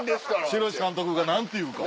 白石監督が何て言うか。